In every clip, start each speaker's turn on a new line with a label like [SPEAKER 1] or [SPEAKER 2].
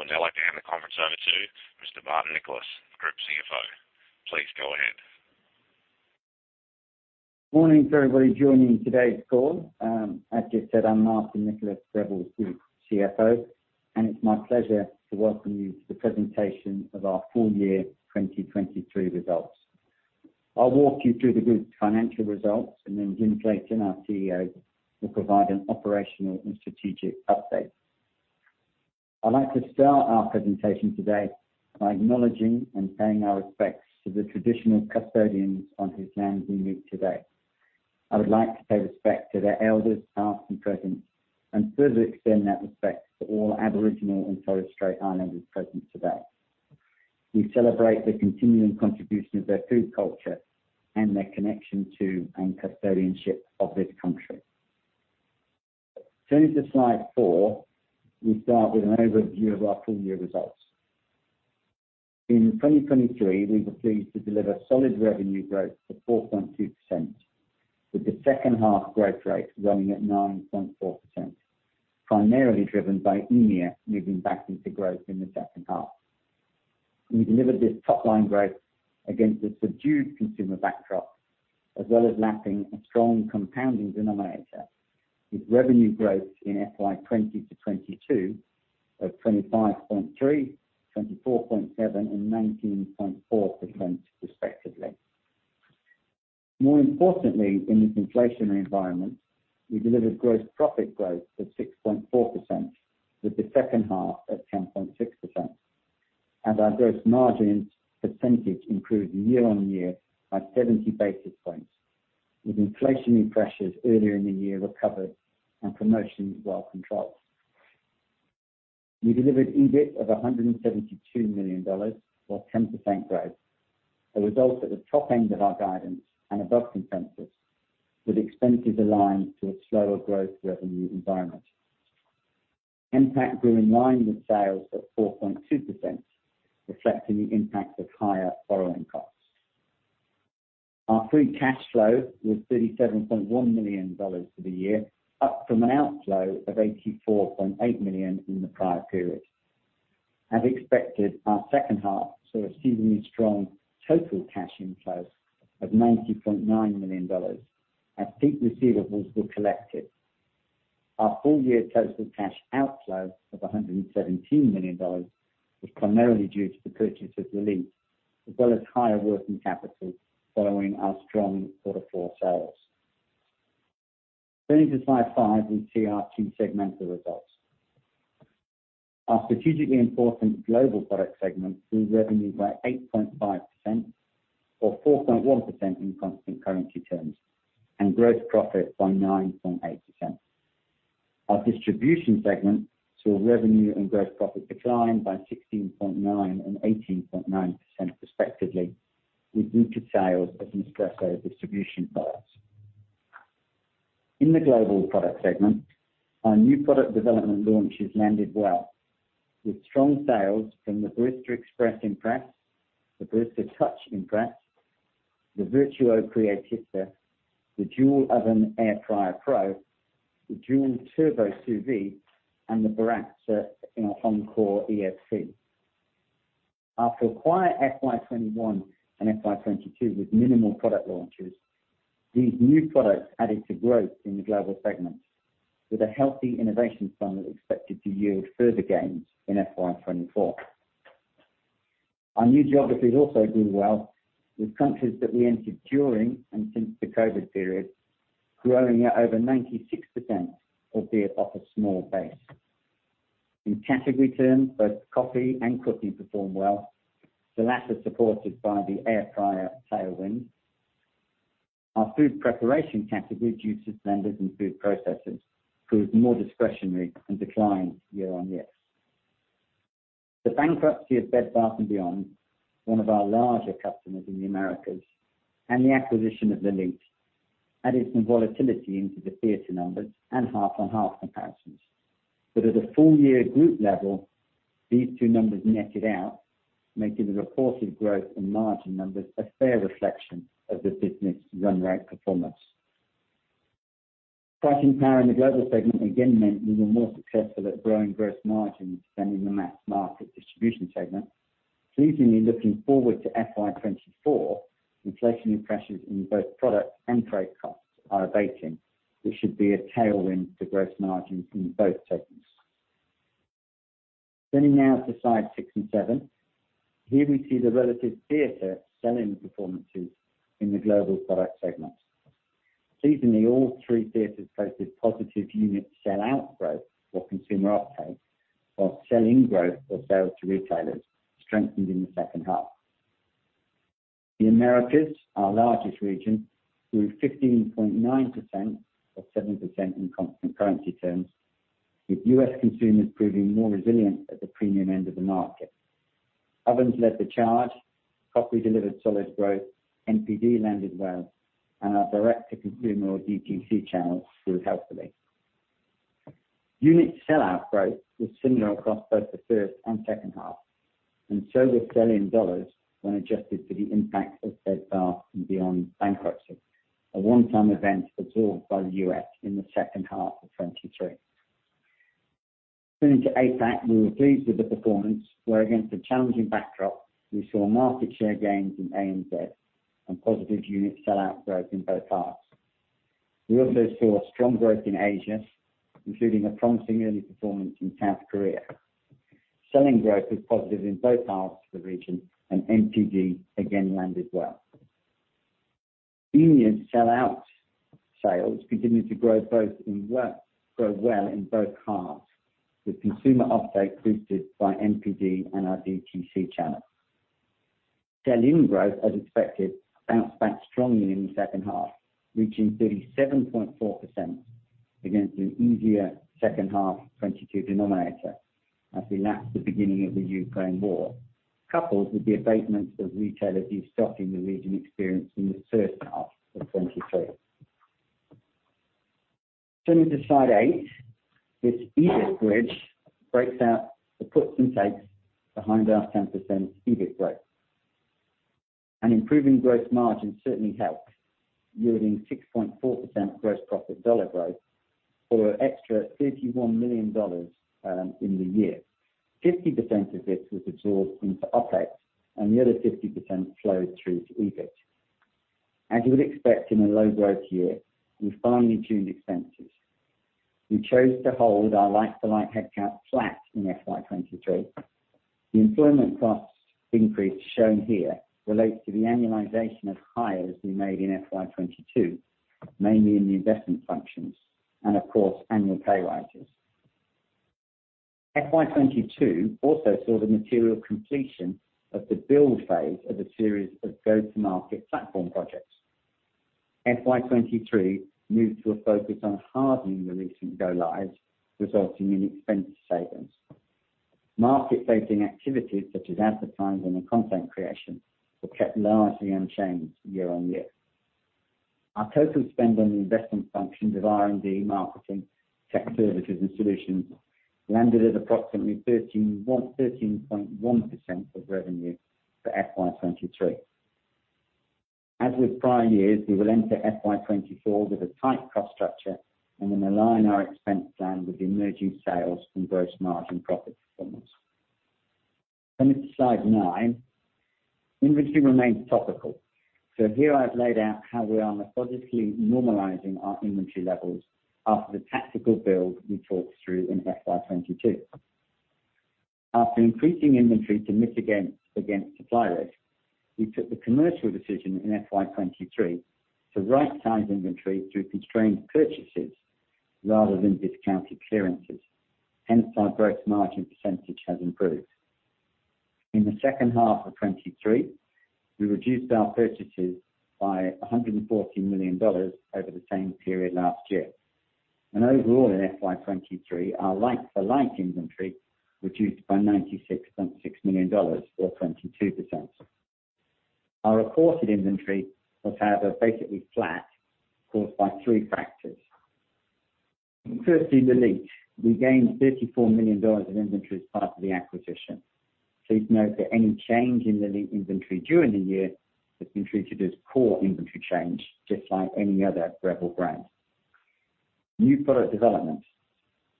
[SPEAKER 1] I would now like to hand the conference over to Mr. Martin Nicholas, Group CFO. Please go ahead.
[SPEAKER 2] Morning to everybody joining today's call. As Jeff said, I'm Martin Nicholas, Breville Group CFO, it's my pleasure to welcome you to the presentation of our full year 2023 results. I'll walk you through the group's financial results, then Jim Clayton, our CEO, will provide an operational and strategic update. I'd like to start our presentation today by acknowledging and paying our respects to the traditional custodians on whose lands we meet today. I would like to pay respect to their elders, past and present, further extend that respect to all Aboriginal and Torres Strait Islanders present today. We celebrate the continuing contribution of their food culture and their connection to, and custodianship of this country. Turning to slide four, we start with an overview of our full year results. In 2023, we were pleased to deliver solid revenue growth of 4.2%, with the second half growth rate running at 9.4%, primarily driven by EMEA moving back into growth in the second half. We delivered this top line growth against a subdued consumer backdrop, as well as lacking a strong compounding denominator, with revenue growth in FY 2020 to 2022 of 25.3%, 24.7%, and 19.4% respectively. More importantly, in this inflationary environment, we delivered gross profit growth of 6.4%, with the second half at 10.6%, and our gross margin percentage improved year-on-year by 70 basis points, with inflationary pressures earlier in the year recovered and promotions well controlled. We delivered EBIT of $172 million, or 10% growth, a result at the top end of our guidance and above consensus, with expenses aligned to a slower growth revenue environment. NPAT grew in line with sales of 4.2%, reflecting the impact of higher borrowing costs. Our free cash flow was $37.1 million for the year, up from an outflow of $84.8 million in the prior period. As expected, our second half saw a seasonally strong total cash inflow of $90.9 million, as peak receivables were collected. Our full year total cash outflow of $117 million was primarily due to the purchase of Lelit, as well as higher working capital following our strong quarter four sales. Turning to slide five, we see our two segmental results. Our strategically important global product segment grew revenue by 8.5%, or 4.1% in constant currency terms, and gross profit by 9.8%. Our distribution segment saw revenue and gross profit decline by 16.9% and 18.9% respectively, with weaker sales of Nespresso distribution products. In the global product segment, our new product development launches landed well, with strong sales from the Barista Express Impress, the Barista Touch Impress, the Vertuo Creatista, the Joule Oven Air Fryer Pro, the Joule Turbo Sous Vide, and the Baratza in our Encore ESP. After a quiet FY 2021 and FY 2022 with minimal product launches, these new products added to growth in the global segment, with a healthy innovation funnel expected to yield further gains in FY 2024. Our new geographies also did well, with countries that we entered during and since the COVID period, growing at over 96%, albeit off a small base. In category terms, both coffee and cooking performed well, the latter supported by the airfryer tailwind. Our food preparation category, juices, blenders, and food processors, proved more discretionary and declined year-on-year. The bankruptcy of Bed Bath & Beyond, one of our larger customers in the Americas, and the acquisition of Lelit, added some volatility into the theater numbers and half-on-half comparisons. At a full year group level, these two numbers netted out, making the reported growth and margin numbers a fair reflection of the business' run rate performance. Buying power in the global segment again meant we were more successful at growing gross margins than in the mass market distribution segment. Pleasingly looking forward to FY 2024, inflationary pressures in both product and trade costs are abating. This should be a tailwind to gross margins in both segments. Turning now to slide six and seven. Here we see the relative theater selling performances in the global product segment. Seasonally, all three theaters posted positive unit sell out growth or consumer uptake, while sell-in growth or sales to retailers strengthened in the second half. The Americas, our largest region, grew 15.9%, or 7% in constant currency terms, with U.S. consumers proving more resilient at the premium end of the market. Ovens led the charge, coffee delivered solid growth, NPD landed well, and our direct-to-consumer or DTC channels grew helpfully. Unit sellout growth was similar across both the first and second half. So was 1 billion dollars when adjusted to the impact of Bed Bath & Beyond bankruptcy, a one-time event absorbed by the US in the second half of 2023. Turning to APAC, we were pleased with the performance, where against a challenging backdrop, we saw market share gains in ANZ and positive unit sell-out growth in both halves. We also saw strong growth in Asia, including a promising early performance in South Korea. Selling growth was positive in both halves of the region, and NPD again landed well. Unit sell-out sales continued to grow well in both halves, with consumer uptake boosted by MPD and our DTC channel. Sell-in growth, as expected, bounced back strongly in the second half, reaching 37.4% against an easier second half 2022 denominator, as we lapped the beginning of the Ukraine war, coupled with the abatements of retailer destocking the region experienced in the first half of 2023. Turning to slide eight, this EBIT bridge breaks out the puts and takes behind our 10% EBIT growth. An improving growth margin certainly helped, yielding 6.4% gross profit dollar growth or extra $31 million in the year. 50% of this was absorbed into OpEx, and the other 50% flowed through to EBIT. As you would expect in a low growth year, we finely tuned expenses. We chose to hold our like-to-like headcount flat in FY 2023. The employment cost increase shown here relates to the annualization of hires we made in FY 2022, mainly in the investment functions and of course, annual pay raises. FY 2022 also saw the material completion of the build phase of a series of go-to-market platform projects. FY 2023 moved to a focus on hardening the recent go lives, resulting in expense savings. Market-facing activities such as advertising and content creation were kept largely unchanged year-over-year. Our total spend on the investment functions of R&D, marketing, tech services, and solutions landed at approximately 13.1% of revenue for FY 2023. As with prior years, we will enter FY 2024 with a tight cost structure and then align our expense plan with emerging sales and gross margin profit performance. Coming to slide nine, inventory remains topical. Here I've laid out how we are methodically normalizing our inventory levels after the tactical build we talked through in FY 2022. After increasing inventory to mitigate against supply risk, we took the commercial decision in FY 2023 to right-size inventory through constrained purchases rather than discounted clearances. Our gross margin % has improved. In the second half of 2023, we reduced our purchases by 114 million dollars over the same period last year. Overall, in FY 2023, our like-for-like inventory reduced by 96.6 million dollars, or 22%. Our reported inventory was however basically flat, caused by three factors. Firstly, Lelit. We gained 34 million dollars in inventory as part of the acquisition. Please note that any change in Lelit inventory during the year has been treated as core inventory change, just like any other Breville brand. New product development.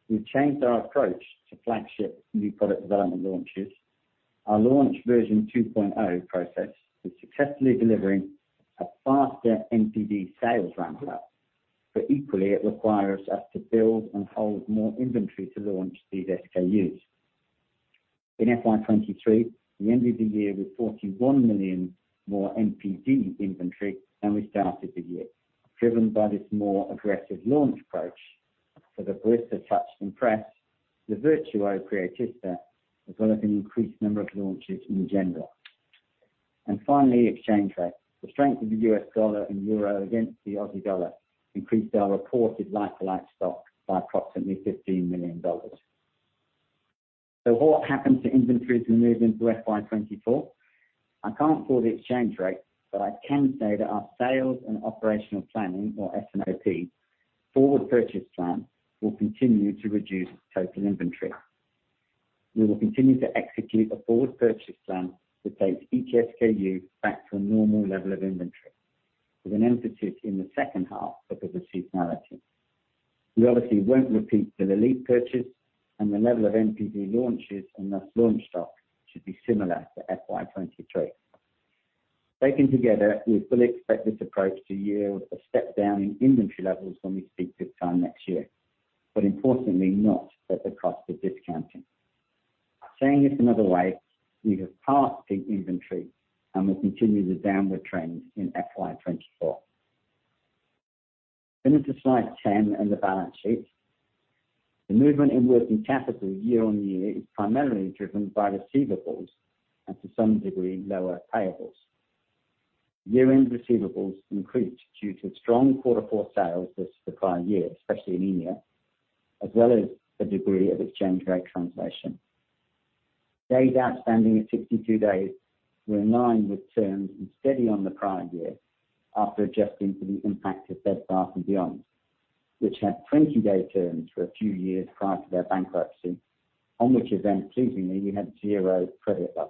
[SPEAKER 2] We've changed our approach to flagship new product development launches. Our launch version 2.0 process is successfully delivering a faster NPD sales ramp up, equally it requires us to build and hold more inventory to launch these SKUs. In FY 2023, we ended the year with 41 million more NPD inventory than we started the year, driven by this more aggressive launch approach for the Barista Touch Impress, the Vertuo Creatista, as well as an increased number of launches in general. Finally, exchange rate. The strength of the US dollar and euro against the Aussie dollar increased our reported like-for-like stock by approximately 15 million dollars. What happened to inventories as we move into FY 2024? I can't call the exchange rate, I can say that our sales and operational planning, or SNOP, forward purchase plan, will continue to reduce total inventory. We will continue to execute a forward purchase plan that takes each SKU back to a normal level of inventory, with an emphasis in the second half of the seasonality. We obviously won't repeat the Lelit purchase, and the level of NPD launches, and thus launch stock, should be similar to FY 2023. Taken together, we fully expect this approach to yield a step down in inventory levels when we speak this time next year, but importantly, not at the cost of discounting. Saying this another way, we have passed peak inventory and will continue the downward trend in FY 2024. Going into slide 10 and the balance sheet. The movement in working capital year-over-year is primarily driven by receivables and to some degree, lower payables. Year-end receivables increased due to strong quarter four sales the prior year, especially in India, as well as a degree of exchange rate translation. Days outstanding at 62 days were in line with terms and steady on the prior year after adjusting for the impact of Bed Bath & Beyond. which had 20-day terms for a few years prior to their bankruptcy, on which event, pleasingly, we had zero credit loss.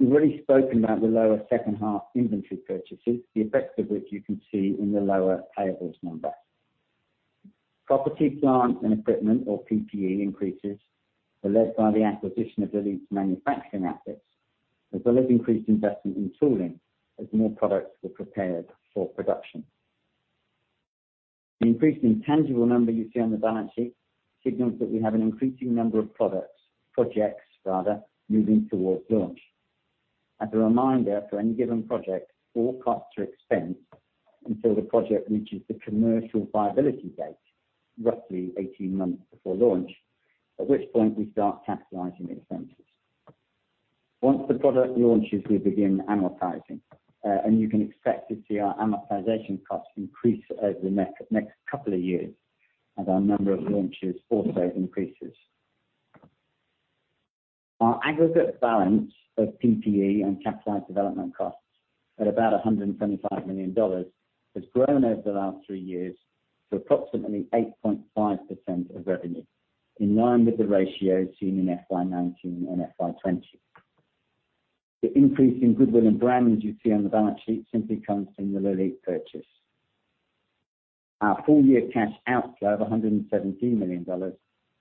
[SPEAKER 2] We've already spoken about the lower second half inventory purchases, the effects of which you can see in the lower payables number. Property, plant, and equipment or PPE increases were led by the acquisition of the Lelit manufacturing assets, as well as increased investment in tooling as more products were prepared for production. The increase in tangible number you see on the balance sheet signals that we have an increasing number of products, projects rather, moving towards launch. As a reminder, for any given project, all costs are expensed until the project reaches the commercial viability date, roughly 18 months before launch, at which point we start capitalizing expenses. Once the product launches, we begin amortizing, and you can expect to see our amortization costs increase over the next, next couple of years as our number of launches also increases. Our aggregate balance of PPE and capitalized development costs at about 125 million dollars, has grown over the last three years to approximately 8.5% of revenue, in line with the ratio seen in FY19 and FY20. The increase in goodwill and brands you see on the balance sheet simply comes from the Lelit purchase. Our full year cash outflow of 117 million dollars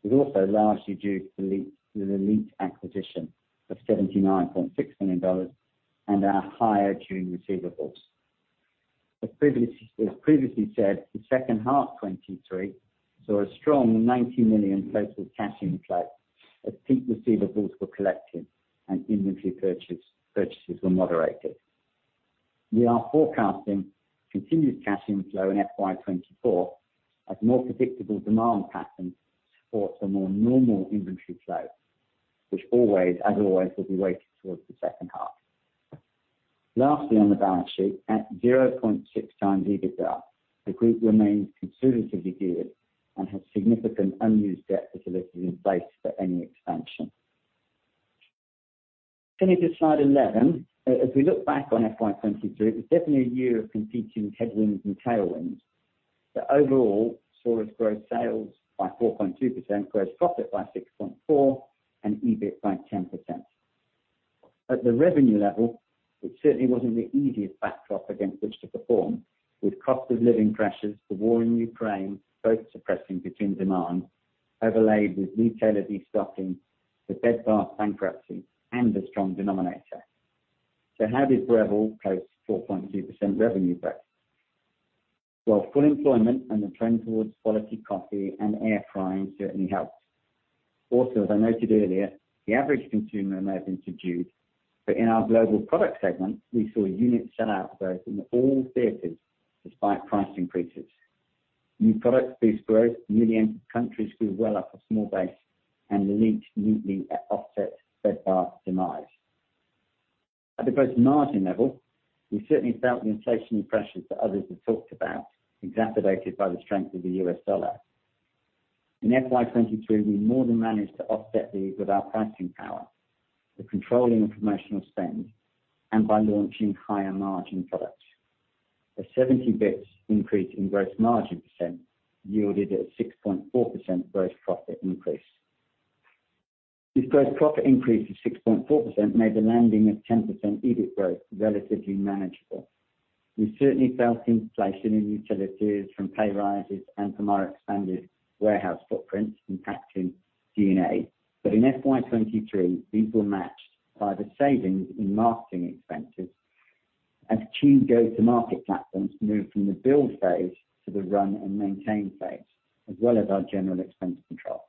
[SPEAKER 2] is also largely due to the Lelit acquisition of 79.6 million dollars and our higher June receivables. As previously, as previously said, the second half 2023 saw a strong 90 million total cash inflow, as peak receivables were collected and inventory purchases were moderated. We are forecasting continued cash inflow in FY 2024, as more predictable demand patterns support a more normal inventory flow, which always, as always, will be weighted towards the second half. Lastly, on the balance sheet, at 0.6 times EBITDA, the group remains conservatively geared and has significant unused debt facilities in place for any expansion. Turning to slide 11, as we look back on FY 2023, it was definitely a year of competing headwinds and tailwinds, overall saw us grow sales by 4.2%, gross profit by 6.4%, and EBIT by 10%. At the revenue level, it certainly wasn't the easiest backdrop against which to perform, with cost of living pressures, the war in Ukraine, both suppressing between demand, overlaid with retailer destocking, the Bed Bath bankruptcy, and a strong denominator. How did Breville post 4.2% revenue growth? Well, full employment and the trend towards quality coffee and air frying certainly helped. Also, as I noted earlier, the average consumer may have been subdued, but in our global product segment, we saw unit sell-out growth in all theaters despite price increases. New products boost growth, newly entered countries grew well off a small base. Lelit neatly offset Bed Bath demise. At the gross margin level, we certainly felt the inflationary pressures that others have talked about, exacerbated by the strength of the US dollar. In FY 2023, we more than managed to offset these with our pricing power, the controlling of promotional spend, and by launching higher margin products. A 70 basis points increase in gross margin % yielded a 6.4% gross profit increase. This gross profit increase of 6.4% made the landing of 10% EBIT growth relatively manageable. We certainly felt inflation in utilities from pay rises and from our expanded warehouse footprints impacting G&A. In FY 2023, these were matched by the savings in marketing expenses as key go-to-market platforms moved from the build phase to the run and maintain phase, as well as our general expense control.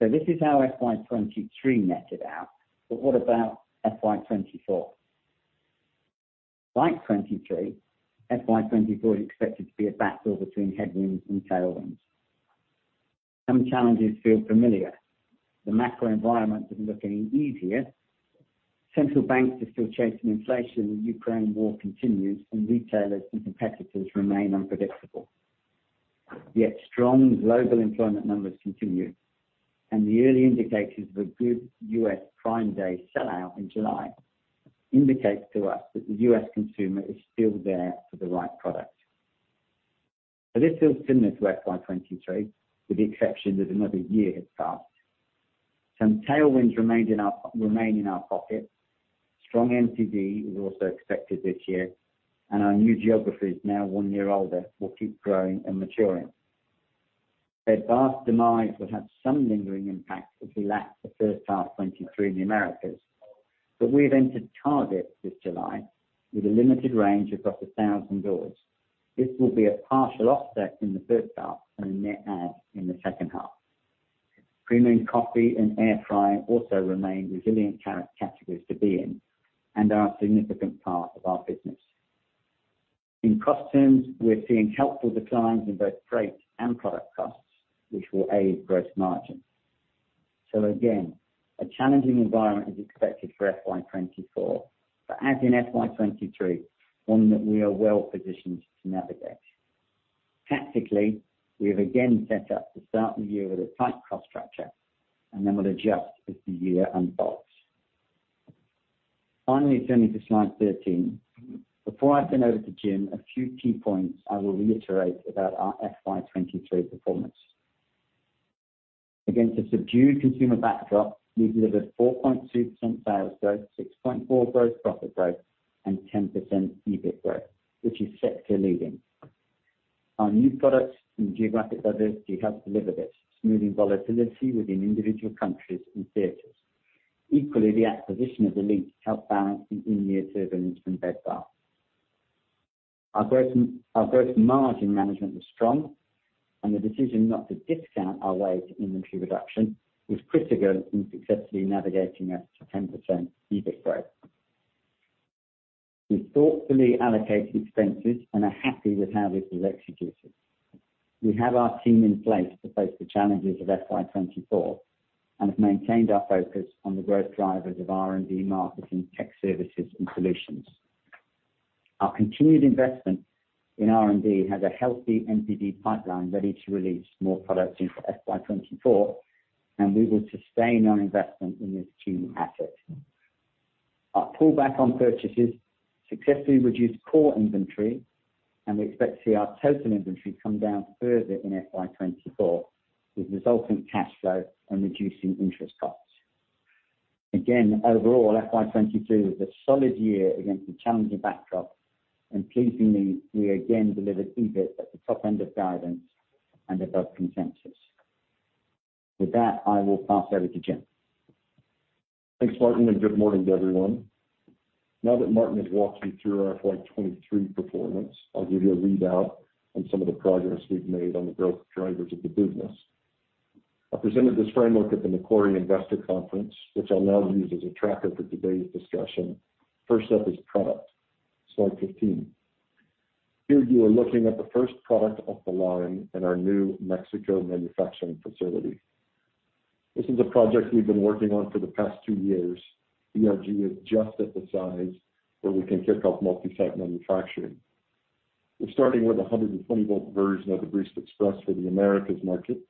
[SPEAKER 2] This is how FY 2023 netted out, but what about FY 2024? Like 2023, FY 2024 is expected to be a battle between headwinds and tailwinds. Some challenges feel familiar. The macro environment doesn't look any easier. Central banks are still chasing inflation, the Ukraine war continues, and retailers and competitors remain unpredictable. Yet strong global employment numbers continue, and the early indicators of a good US Prime Day sell-out in July indicates to us that the US consumer is still there for the right product. This feels similar to FY 2023, with the exception that another year has passed. Some tailwinds remained remain in our pocket. Strong NCD is also expected this year, and our new geographies, now one year older, will keep growing and maturing. Bed Bath demise will have some lingering impact, as we lacked the first half 2023 in the Americas, but we have entered Target this July with a limited range across 1,000 doors. This will be a partial offset in the first half and a net add in the second half. Premium coffee and air frying also remain resilient categories to be in and are a significant part of our business. In cost terms, we're seeing helpful declines in both freight and product costs, which will aid gross margin. Again, a challenging environment is expected for FY 2024, but as in FY 2023, one that we are well positioned to navigate. Tactically, we have again set up to start the year with a tight cost structure, and then we'll adjust as the year unfolds. Finally, turning to slide 13. Before I hand over to Jim, a few key points I will reiterate about our FY 2023 performance. Against a subdued consumer backdrop, we delivered 4.2% sales growth, 6.4% growth profit growth, and 10% EBIT growth, which is sector leading. Our new products and geographic diversity helped deliver this, smoothing volatility within individual countries and theaters. Equally, the acquisition of Lelit helped balance the in-year turbulence from Bed Bath. Our growth, our growth margin management was strong, and the decision not to discount our way to inventory reduction was critical in successfully navigating us to 10% EBIT growth. We thoughtfully allocated expenses and are happy with how this was executed. We have our team in place to face the challenges of FY 2024, and have maintained our focus on the growth drivers of R&D, marketing, tech services, and solutions. Our continued investment in R&D has a healthy NPD pipeline ready to release more products into FY 2024, and we will sustain our investment in this key asset. Our pullback on purchases successfully reduced core inventory, and we expect to see our total inventory come down further in FY 2024, with resultant cash flow and reducing interest costs. Again, overall, FY 2022 was a solid year against a challenging backdrop, and pleasingly, we again delivered EBIT at the top end of guidance and above consensus. With that, I will pass over to Jim.
[SPEAKER 3] Thanks, Martin. Good morning to everyone. Now that Martin has walked you through our FY 2023 performance, I'll give you a readout on some of the progress we've made on the growth drivers of the business. I presented this framework at the Macquarie Australia Conference, which I'll now use as a tracker for today's discussion. First up is product, slide 15. Here, you are looking at the first product off the line in our new Mexico manufacturing facility. This is a project we've been working on for the past two years. BRG is just at the size where we can kick off multi-site manufacturing. We're starting with a 120 volt version of the Barista Express for the Americas market.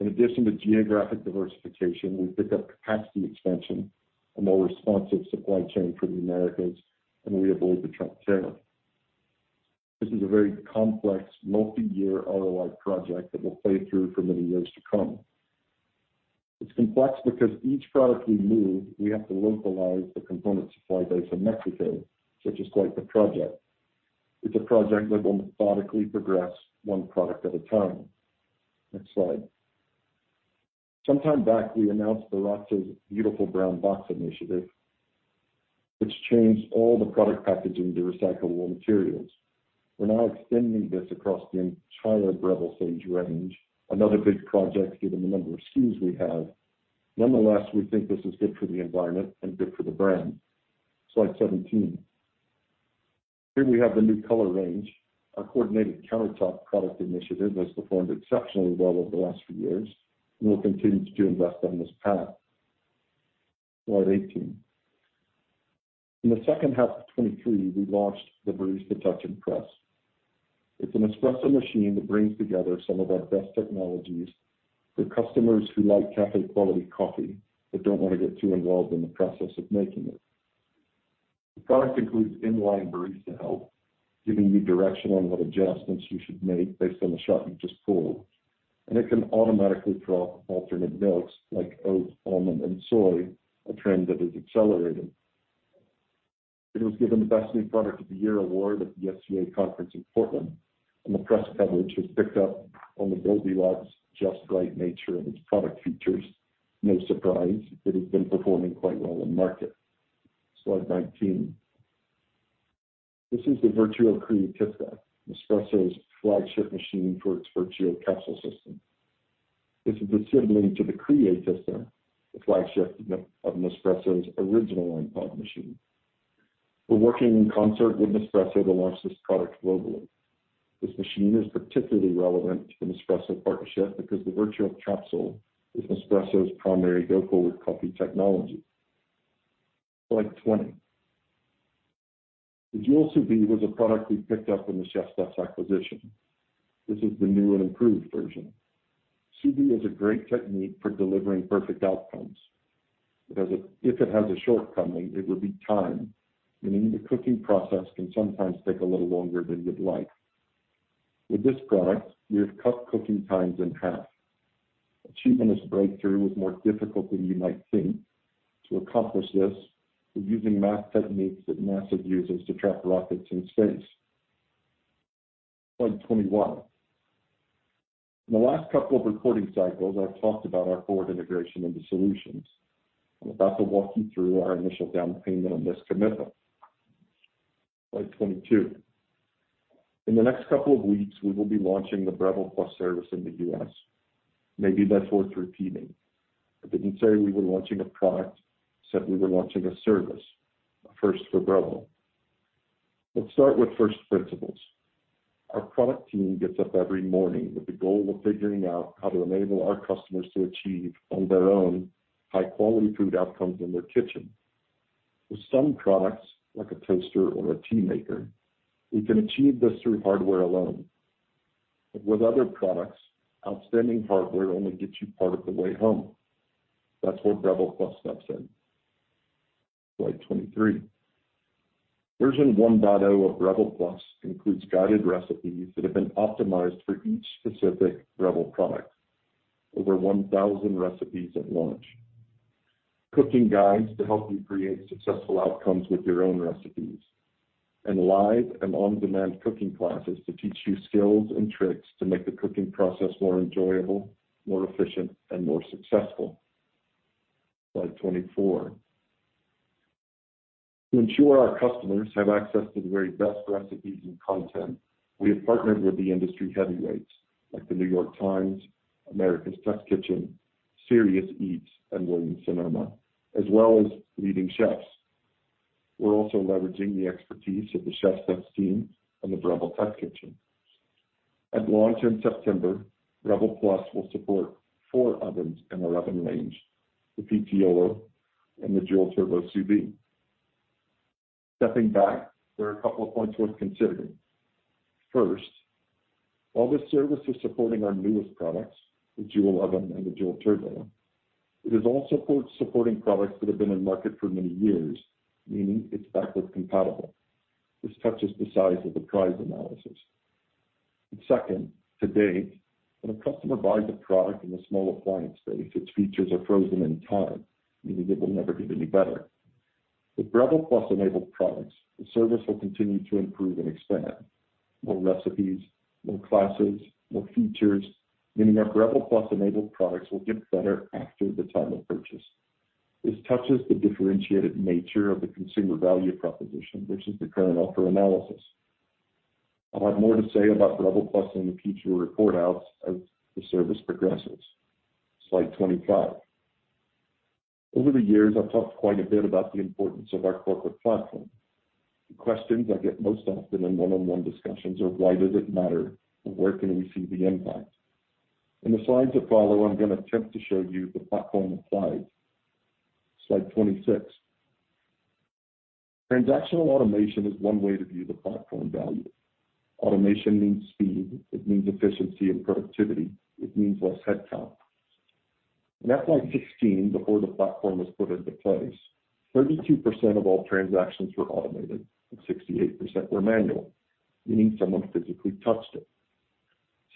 [SPEAKER 3] In addition to geographic diversification, we pick up capacity expansion, a more responsive supply chain for the Americas, we avoid the Trump tariff. This is a very complex, multi-year ROI project that will play through for many years to come. It's complex because each product we move, we have to localize the component supply base in Mexico, which is quite the project. It's a project that will methodically progress one product at a time. Next slide. Sometime back, we announced the Breville's Beautiful Brown Box initiative, which changed all the product packaging to recyclable materials. We're now extending this across the entire Breville Sage range, another big project, given the number of SKUs we have. Nonetheless, we think this is good for the environment and good for the brand. Slide 17. Here we have the new color range. Our coordinated countertop product initiative has performed exceptionally well over the last few years, and we'll continue to invest on this path. Slide 18. In the second half of 2023, we launched the Barista Touch Impress. It's an espresso machine that brings together some of our best technologies for customers who like café-quality coffee, but don't want to get too involved in the process of making it. The product includes in-line barista help, giving you direction on what adjustments you should make based on the shot you just pulled, and it can automatically froth alternate milks, like oat, almond, and soy, a trend that is accelerating. It was given the Best New Product of the Year award at the SCA conference in Portland. The press coverage has picked up on the Goldilocks, just great nature of its product features. No surprise, it has been performing quite well in market. Slide 19. This is the Vertuo Creatista, Nespresso's flagship machine for its Vertuo capsule system. This is a sibling to the Creatista, the flagship of Nespresso's original pod machine. We're working in concert with Nespresso to launch this product globally. This machine is particularly relevant to the Nespresso partnership because the Vertuo capsule is Nespresso's primary go-forward coffee technology. Slide 20. The Joule Sous Vide was a product we picked up in the ChefSteps acquisition. This is the new and improved version. Sous vide is a great technique for delivering perfect outcomes, because if it has a shortcoming, it would be time, meaning the cooking process can sometimes take a little longer than you'd like. With this product, we have cut cooking times in half. Achieving this breakthrough was more difficult than you might think. To accomplish this, we're using math techniques that NASA uses to track rockets in space. Slide 21. In the last couple of reporting cycles, I've talked about our forward integration into solutions. I'm about to walk you through our initial down payment on this commitment. Slide 22. In the next couple of weeks, we will be launching the Breville+ service in the U.S. Maybe that's worth repeating. I didn't say we were launching a product, I said we were launching a service, a first for Breville. Let's start with first principles. Our product team gets up every morning with the goal of figuring out how to enable our customers to achieve, on their own, high-quality food outcomes in their kitchen. For some products, like a toaster or a tea maker, we can achieve this through hardware alone.... With other products, outstanding hardware only gets you part of the way home. That's where Breville+ steps in. Slide 23. Version 1.0 of Breville+ includes guided recipes that have been optimized for each specific Breville product. Over 1,000 recipes at launch. Cooking guides to help you create successful outcomes with your own recipes, and live and on-demand cooking classes to teach you skills and tricks to make the cooking process more enjoyable, more efficient, and more successful. Slide 24. To ensure our customers have access to the very best recipes and content, we have partnered with the industry heavyweights, like The New York Times, America's Test Kitchen, Serious Eats, and Williams Sonoma, as well as leading chefs. We're also leveraging the expertise of the ChefSteps team and the Breville Test Kitchen. At launch in September, Breville+ will support four ovens and our oven range, the PTOO, and the Joule Turbo Sous Vide. Stepping back, there are a couple of points worth considering: First, while this service is supporting our newest products, the dual oven and the dual turbo, it is also supporting products that have been in market for many years, meaning it's backward compatible. This touches the size of the prize analysis. Second, today, when a customer buys a product in the small appliance space, its features are frozen in time, meaning it will never get any better. With Breville+-enabled products, the service will continue to improve and expand. More recipes, more classes, more features, meaning our Breville+-enabled products will get better after the time of purchase. This touches the differentiated nature of the consumer value proposition versus the current offer analysis. I'll have more to say about Breville+ in the future report outs as the service progresses. Slide 25. Over the years, I've talked quite a bit about the importance of our corporate platform. The questions I get most often in one-on-one discussions are, "Why does it matter? Where can we see the impact?" In the slides that follow, I'm gonna attempt to show you the platform applied. Slide 26. Transactional automation is one way to view the platform value. Automation means speed, it means efficiency and productivity, it means less headcount. In FY 2016, before the platform was put into place, 32% of all transactions were automated, and 68% were manual, meaning someone physically touched it.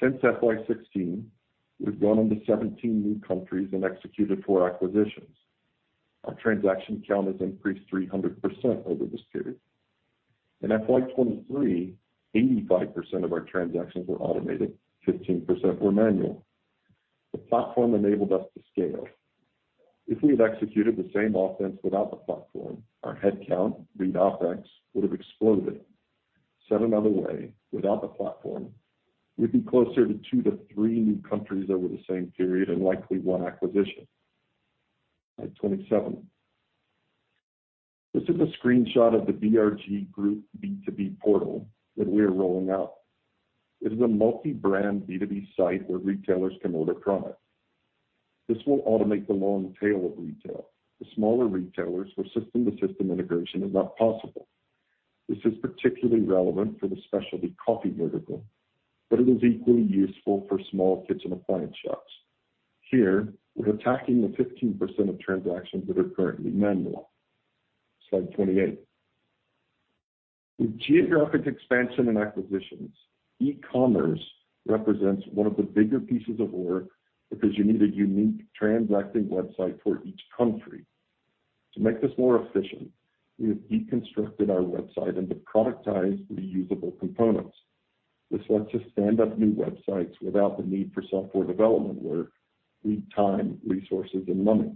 [SPEAKER 3] Since FY 16, we've gone into 17 new countries and executed four acquisitions. Our transaction count has increased 300% over this period. In FY 2023, 85% of our transactions were automated, 15% were manual. The platform enabled us to scale. If we had executed the same offense without the platform, our headcount, read OpEx, would have exploded. Said another way, without the platform, we'd be closer to two to three new countries over the same period, and likely one acquisition. Slide 27. This is a screenshot of the BRG group B2B portal that we are rolling out. It is a multi-brand B2B site where retailers can order product. This will automate the long tail of retail, the smaller retailers for system-to-system integration is not possible. This is particularly relevant for the specialty coffee vertical, but it is equally useful for small kitchen appliance shops. Here, we're attacking the 15% of transactions that are currently manual. Slide 28. With geographic expansion and acquisitions, e-commerce represents one of the bigger pieces of work because you need a unique transacting website for each country. To make this more efficient, we have deconstructed our website into productized, reusable components. This lets us stand up new websites without the need for software development work, read time, resources, and money.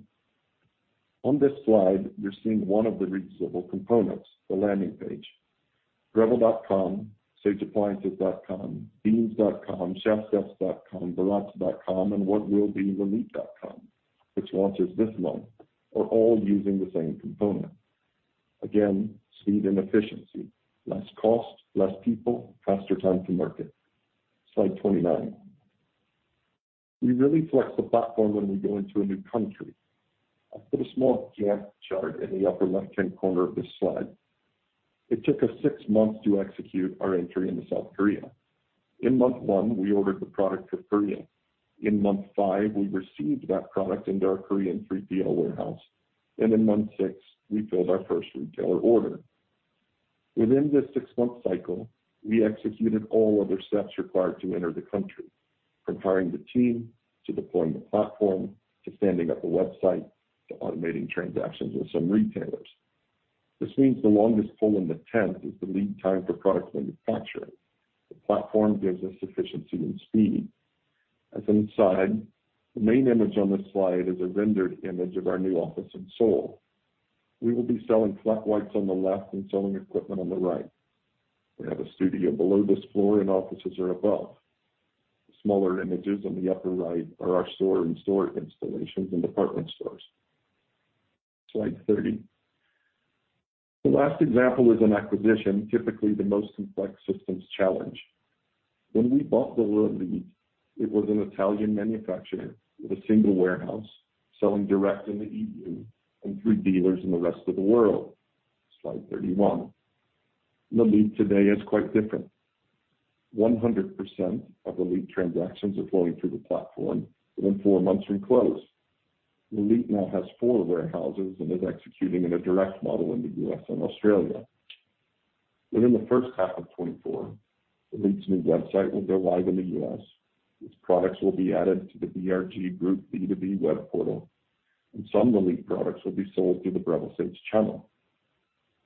[SPEAKER 3] On this slide, you're seeing one of the reusable components, the landing page. breville.com, sageappliances.com, beanz.com, chefsteps.com, baratza.com, and what will be lelit.com, which launches this month, are all using the same component. Again, speed and efficiency, less cost, less people, faster time to market. Slide 29. We really flex the platform when we go into a new country. I put a small Gantt chart in the upper left-hand corner of this slide. It took us six months to execute our entry into South Korea. In month one, we ordered the product to Korea. In month five, we received that product into our Korean 3PL warehouse. In month six, we filled our first retailer order. Within this six-month cycle, we executed all other steps required to enter the country, from hiring the team, to deploying the platform, to standing up a website, to automating transactions with some retailers. This means the longest pole in the tent is the lead time for product manufacturing. The platform gives us efficiency and speed. As an aside, the main image on this slide is a rendered image of our new office in Seoul. We will be selling flat whites on the left and selling equipment on the right. We have a studio below this floor, and offices are above. The smaller images on the upper right are our store-in-store installations in department stores. Slide 30. The last example is an acquisition, typically the most complex systems challenge. When we bought the Lelit It was an Italian manufacturer with a single warehouse, selling direct in the EU and through dealers in the rest of the world. Slide 31. Lelit today is quite different. 100% of Lelit transactions are flowing through the platform within four months from close. Lelit now has four warehouses and is executing in a direct model in the U.S. and Australia. Within the first half of 2024, Lelit's new website will go live in the U.S. Its products will be added to the BRG group B2B web portal, and some Lelit products will be sold through the Breville Sage channel.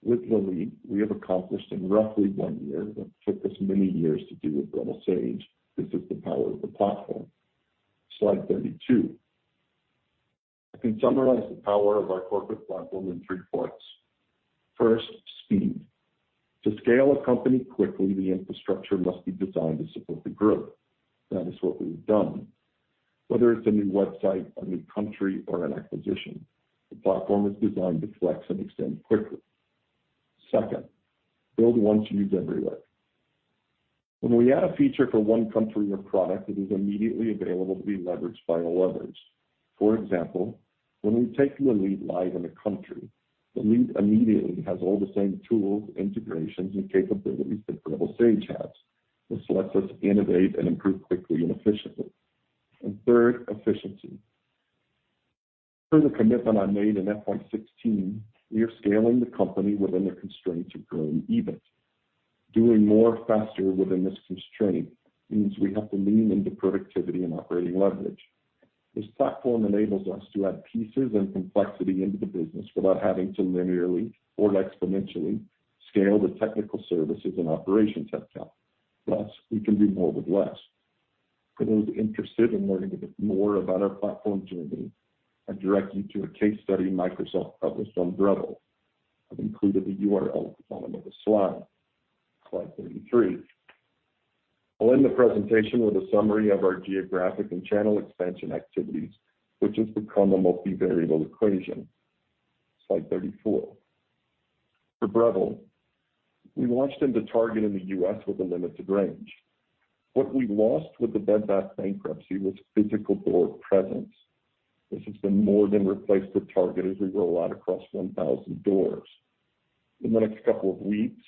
[SPEAKER 3] With Lelit, we have accomplished in roughly one year what took us many years to do with Breville Sage. This is the power of the platform. Slide 32. I can summarize the power of our corporate platform in three parts. First, speed. To scale a company quickly, the infrastructure must be designed to support the growth. That is what we've done. Whether it's a new website, a new country, or an acquisition, the platform is designed to flex and extend quickly. Second, build once, use everywhere. When we add a feature for one country or product, it is immediately available to be leveraged by all others. For example, when we take Lelit live in a country, Lelit immediately has all the same tools, integrations, and capabilities that Breville Sage has. This lets us innovate and improve quickly and efficiently. Third, efficiency. Per the commitment I made in FY 16, we are scaling the company within the constraints of growing EBIT. Doing more faster within this constraint means we have to lean into productivity and operating leverage. This platform enables us to add pieces and complexity into the business without having to linearly or exponentially scale the technical services and operations headcount. We can do more with less. For those interested in learning a bit more about our platform journey, I direct you to a case study Microsoft published on Breville. I've included the URL at the bottom of the slide. Slide 33. I'll end the presentation with a summary of our geographic and channel expansion activities, which has become a multivariable equation. Slide 34. For Breville, we launched into Target in the U.S. with a limited range. What we lost with the Bed Bath bankruptcy was physical door presence. This has been more than replaced with Target as we roll out across 1,000 doors. In the next couple of weeks,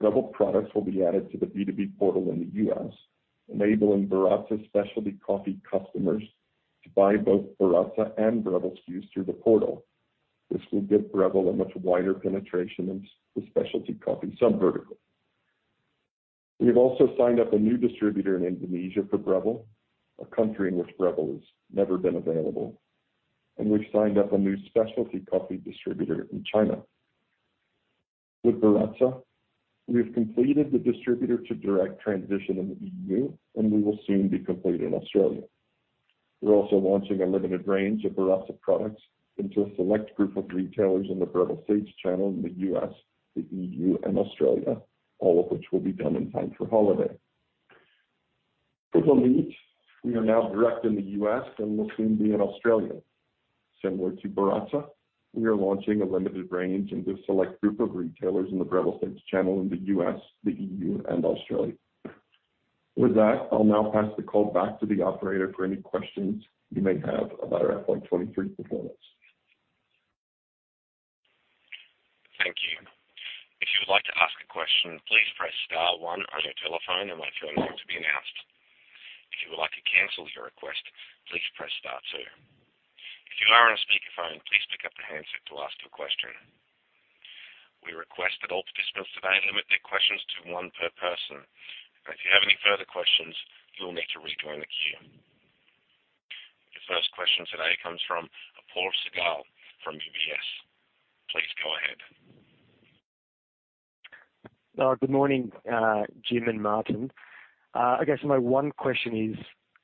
[SPEAKER 3] Breville products will be added to the B2B portal in the U.S., enabling Baratza Specialty Coffee customers to buy both Baratza and Breville SKUs through the portal. This will give Breville a much wider penetration in the specialty coffee subvertical. We have also signed up a new distributor in Indonesia for Breville, a country in which Breville has never been available. We've signed up a new specialty coffee distributor in China. With Baratza, we have completed the distributor-to-direct transition in the E.U., and we will soon be complete in Australia. We're also launching a limited range of Baratza products into a select group of retailers in the Breville Sage channel in the U.S., the E.U., and Australia, all of which will be done in time for holiday. For Lelit, we are now direct in the U.S. and will soon be in Australia. Similar to Baratza, we are launching a limited range into a select group of retailers in the Breville Sage channel in the U.S., the EU, and Australia. With that, I'll now pass the call back to the operator for any questions you may have about our FY 23 performance.
[SPEAKER 1] Thank you. If you would like to ask a question, please press star one on your telephone and wait for your name to be announced. If you would like to cancel your request, please press star two. If you are on a speakerphone, please pick up the handset to ask your question. We request that all participants today limit their questions to one per person. If you have any further questions, you will need to rejoin the queue. Your first question today comes from Benjamin Segal from UBS. Please go ahead.
[SPEAKER 4] Good morning, Jim and Martin. I guess my one question is,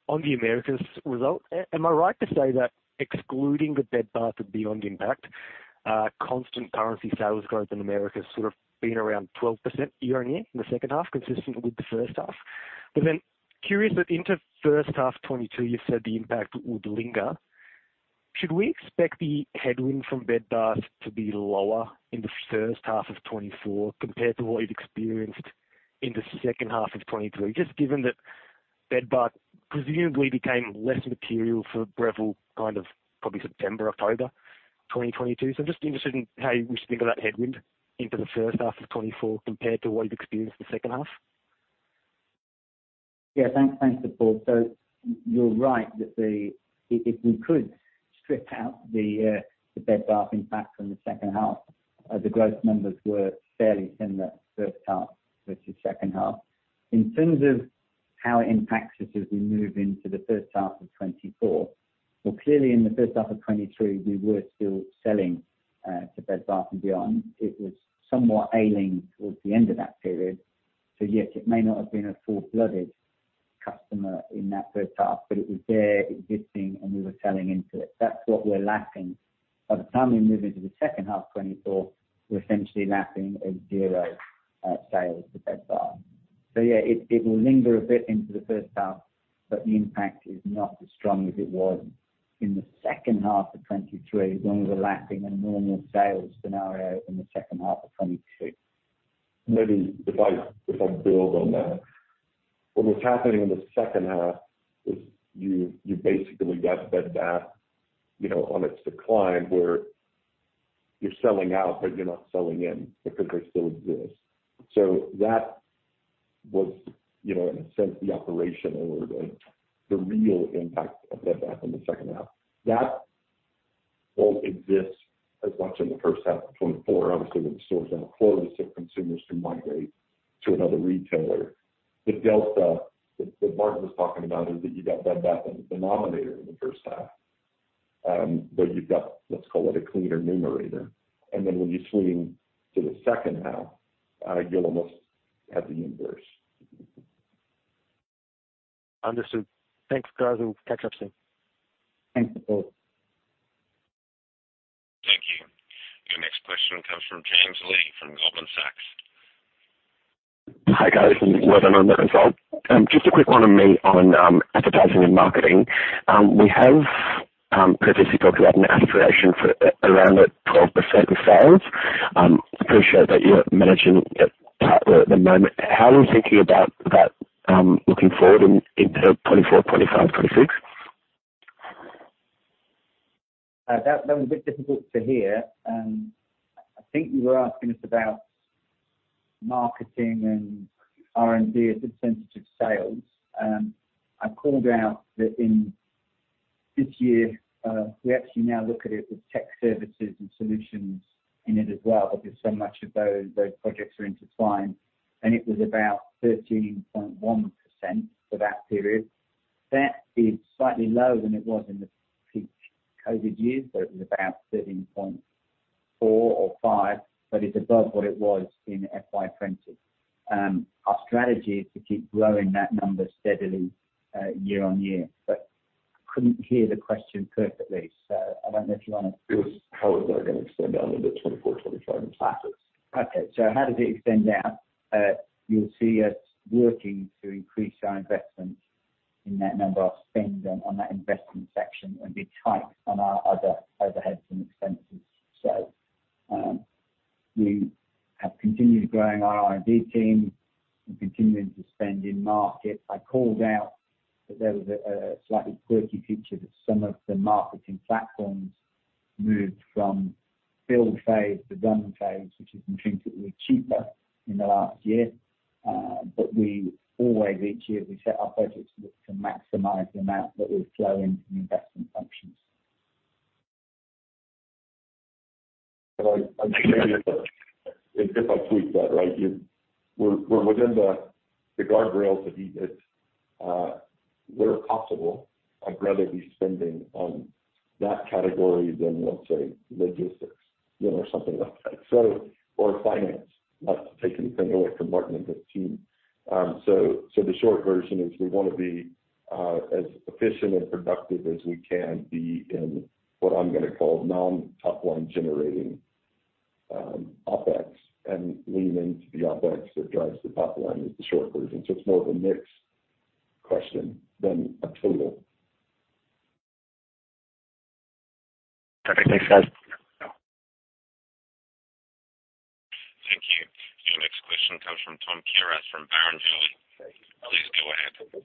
[SPEAKER 4] on the Americas result, am I right to say that excluding the Bed Bath & Beyond impact, constant currency sales growth in Americas sort of been around 12% year-over-year in the second half, consistent with the first half? Curious that into first half 2022, you said the impact would linger. Should we expect the headwind from Bed Bath to be lower in the first half of 2024 compared to what you've experienced in the second half of 2023, just given that Bed Bath presumably became less material for Breville, kind of probably September, October 2022? Just interested in how you wish to think of that headwind into the first half of 2024 compared to what you've experienced in the second half.
[SPEAKER 2] Yeah, thanks. Thanks, Segal. You're right that the... If, if we could strip out the Bed Bath impact from the second half, the growth numbers were fairly similar first half versus second half. In terms of how it impacts us as we move into the first half of 2024, well, clearly in the first half of 2023, we were still selling to Bed Bath & Beyond. It was somewhat ailing towards the end of that period, so yes, it may not have been a full-blooded customer in that first half, but it was there, existing, and we were selling into it. That's what we're lapping. By the time we move into the second half of 2024, we're essentially lapping a zero sales to Bed Bath. Yeah, it, it will linger a bit into the first half, but the impact is not as strong as it was in the second half of 2023, when we were lapping a normal sales scenario in the second half of 2022.
[SPEAKER 3] Maybe if I, if I build on that, what was happening in the second half is you, you basically got Bed Bath, you know, on its decline, where you're selling out, but you're not selling in because they still exist. That was, you know, in a sense, the operational or the, the real impact of Bed Bath in the second half. That won't exist as much in the first half of 2024. Obviously, when the stores are closed, if consumers can migrate to another retailer. The delta that, that Martin was talking about is that you got Bed Bath in the denominator in the first half, but you've got, let's call it a cleaner numerator. When you swing to the second half, you're almost at the inverse.
[SPEAKER 4] Understood. Thanks, guys. We'll catch up soon.
[SPEAKER 2] Thanks.
[SPEAKER 1] Thank you. Your next question comes from James Lee, from Goldman Sachs.
[SPEAKER 5] Hi, guys. Welcome on the result. Just a quick one on me on, advertising and marketing. We have previously talked about an aspiration for around the 12% of sales. I appreciate that you're managing it at the moment. How are you thinking about that, looking forward into 2024, 2025, 2026?
[SPEAKER 2] That, that was a bit difficult to hear. I think you were asking us about Marketing and R&D as it sensitive sales. I called out that in this year, we actually now look at it with tech services and solutions in it as well, because so much of those, those projects are intertwined, and it was about 13.1% for that period. That is slightly lower than it was in the peak COVID years, so it was about 13.4% or 13.5%, but it's above what it was in FY 2020. Our strategy is to keep growing that number steadily, year-on-year, but couldn't hear the question perfectly, so I don't know if you want to.
[SPEAKER 3] It was, how is that going to extend out into 2024, 2025, and 2026?
[SPEAKER 2] Okay. How does it extend out? You'll see us working to increase our investment in that number of spend on, on that investment section, and be tight on our other overheads and expenses. We have continued growing our R&D team. We're continuing to spend in market. I called out that there was a, a slightly quirky feature that some of the marketing platforms moved from build phase to run phase, which is intrinsically cheaper in the last year. We always each year, we set our budgets to maximize the amount that we flow into the investment functions.
[SPEAKER 3] If I tweak that, right, you, we're, we're within the guardrails that, where possible, I'd rather be spending on that category than, let's say, logistics, you know, or something like that, or finance, not to take anything away from Martin and his team. The short version is we want to be as efficient and productive as we can be in what I'm going to call non-top line generating OpEx, and lean into the OpEx that drives the top line is the short version. It's more of a mixed question than a total.
[SPEAKER 5] Okay, thanks, guys.
[SPEAKER 1] Thank you. Your next question comes from Tom Kierath from Barrenjoey. Please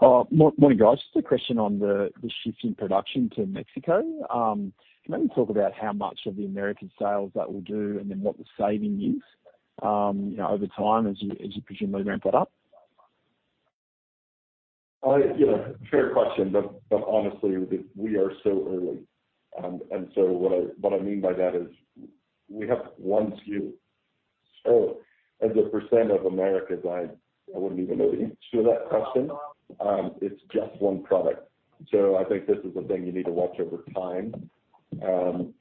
[SPEAKER 1] go ahead.
[SPEAKER 6] Morning, guys. Just a question on the shift in production to Mexico. Can you maybe talk about how much of the American sales that will do, and then what the saving is, you know, over time as you presumably ramp it up?
[SPEAKER 3] You know, fair question, but, but honestly, we are so early. So what I, what I mean by that is we have one SKU. As a % of Americas, I, I wouldn't even know the answer to that question. It's just one product. I think this is a thing you need to watch over time,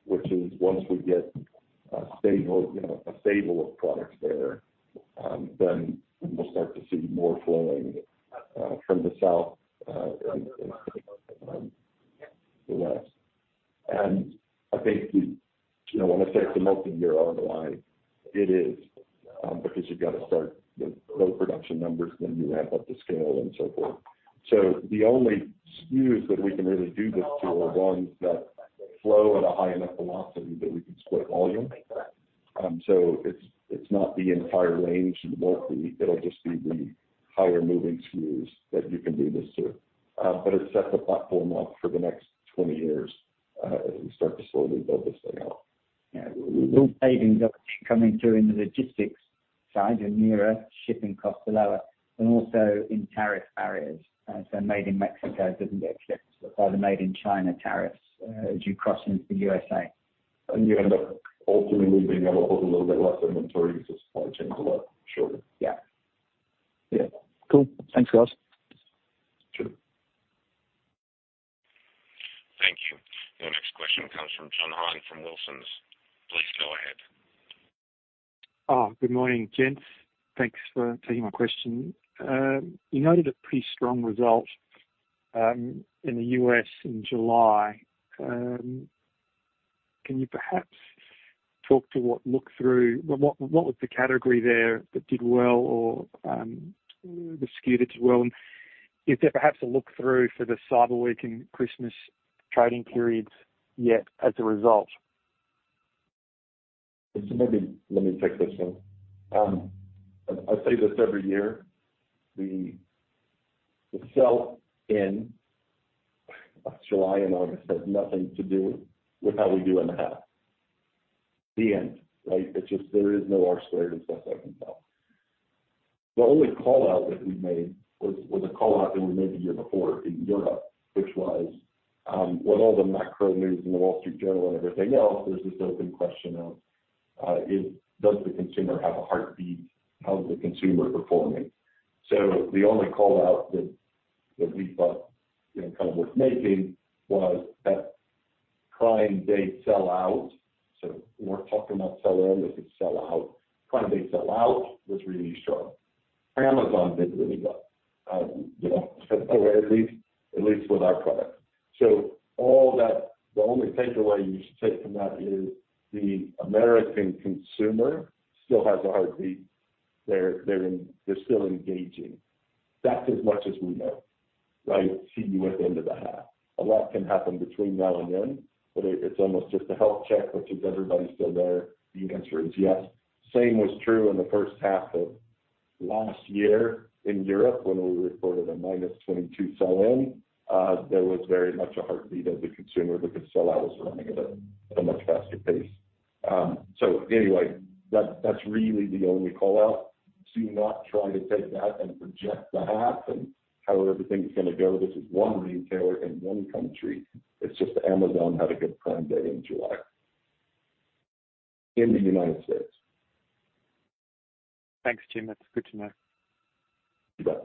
[SPEAKER 3] which is once we get a stable, you know, a stable of products there, then we'll start to see more flowing from the south. I think, you know, when I say it's a multi-year online, it is, because you've got to start with low production numbers, then you ramp up the scale and so forth. The only SKUs that we can really do this to are ones that flow at a high enough velocity that we can split volume. It's, it's not the entire range of the multi, it'll just be the higher moving SKUs that you can do this to. It sets the platform up for the next 20 years, as we start to slowly build this thing out.
[SPEAKER 2] Yeah, those savings are coming through in the logistics side and nearer shipping costs are lower and also in tariff areas. Made in Mexico doesn't get affected by the made in China tariffs as you cross into the U.S.A.
[SPEAKER 3] You end up ultimately being able to hold a little bit less inventory, because supply chains are a lot shorter.
[SPEAKER 2] Yeah.
[SPEAKER 6] Yeah. Cool. Thanks, guys.
[SPEAKER 3] Sure.
[SPEAKER 1] Thank you. Your next question comes from John Hahn, from Wilsons. Please go ahead.
[SPEAKER 7] Good morning, gents. Thanks for taking my question. You noted a pretty strong result in the U.S. in July. Can you perhaps talk to what was the category there that did well or the SKU that did well? Is there perhaps a look through for the cyber week and Christmas trading periods yet as a result?
[SPEAKER 3] Maybe let me take this one. I say this every year, the, the sell in July and August has nothing to do with how we do in the half. The end, right? It's just there is no R squared and stuff I can tell. The only call out that we made was, was a call out that we made the year before in Europe, which was, with all the macro news in The Wall Street Journal and everything else, there's this open question of, does the consumer have a heartbeat? How is the consumer performing? The only call out that, that we thought, you know, kind of worth making was that Prime Day sell out. We're talking about sell-in, this is sell out. Prime Day sell out was really strong. Amazon did really well, you know, at least, at least with our product. All that. The only takeaway you should take from that is the American consumer still has a heartbeat. They're, they're still engaging. That's as much as we know, right? See you at the end of the half. A lot can happen between now and then, but it, it's almost just a health check, which is, everybody still there? The answer is yes. Same was true in the first half of last year in Europe, when we reported a minus 22 sell-in, there was very much a heartbeat of the consumer, because sell-out was running at a, at a much faster pace. Anyway, that's, that's really the only call out. Do not try to take that and project the half and how everything's gonna go. This is one retailer in one country. It's just Amazon had a good Prime Day in July, in the United States.
[SPEAKER 7] Thanks, Jim. That's good to know.
[SPEAKER 3] You bet.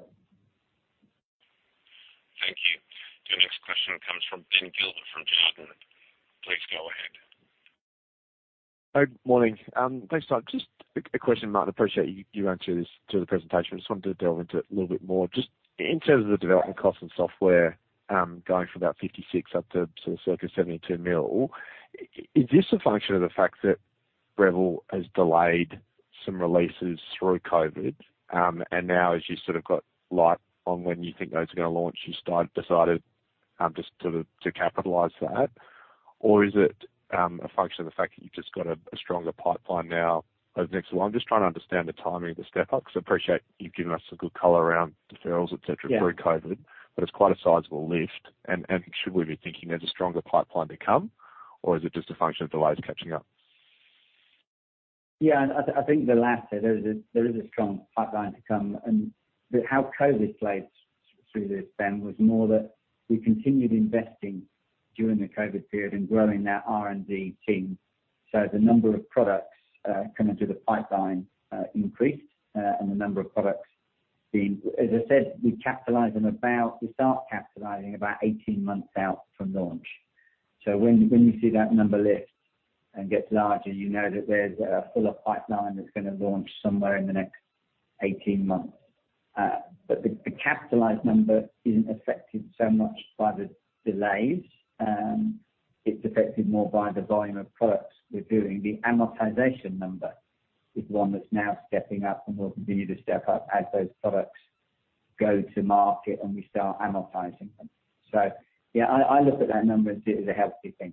[SPEAKER 1] Thank you. Your next question comes from Ben Gilbert, from Jarden. Please go ahead.
[SPEAKER 8] Hi, good morning. Thanks, Tom. Just a, a question, Martin. I appreciate you, you ran through this, through the presentation. I just wanted to delve into it a little bit more. Just in terms of the development costs and software, going from about 56 up to sort of circa 72 million, is this a function of the fact that Breville has delayed some releases through COVID? Now as you sort of got light on when you think those are going to launch, you decided, just to, to capitalize that? Or is it, a function of the fact that you've just got a, a stronger pipeline now over the next one? I'm just trying to understand the timing of the step up, because I appreciate you've given us some good color around deferrals, et cetera...
[SPEAKER 2] Yeah.
[SPEAKER 8] -through COVID, it's quite a sizable lift. Should we be thinking there's a stronger pipeline to come, or is it just a function of delays catching up?
[SPEAKER 2] Yeah, I think the latter. There is a strong pipeline to come. How COVID plays through this, Ben, was more that we continued investing during the COVID period in growing our R&D team. The number of products coming through the pipeline increased, and as I said, we start capitalizing about 18 months out from launch. When you see that number lift and gets larger, you know that there's a full of pipeline that's gonna launch somewhere in the next 18 months. The capitalized number isn't affected so much by the delays, it's affected more by the volume of products we're doing. The amortization number is one that's now stepping up and will continue to step up as those products go to market and we start amortizing them. Yeah, I, I look at that number as a healthy thing.